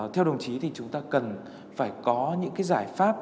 theo đồng chí thì chúng ta cần phải có những cái giải pháp